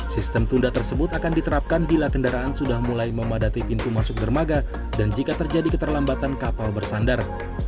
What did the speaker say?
sistem tunda tersebut akan diterapkan bila kendaraan sudah mulai memadati pintu masuk dermaga dan jika terjadi keterlambatan kapal bersandar